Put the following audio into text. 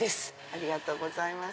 ありがとうございます。